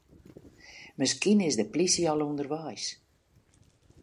Miskien is de plysje al ûnderweis.